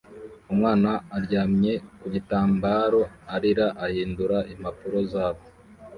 Umwana aryamye ku gitambaro arira ahindura impapuro zabo